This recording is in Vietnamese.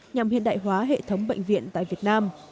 nhằm hiện đại hóa hệ thống bệnh viện tại việt nam